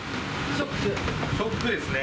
ショックですね。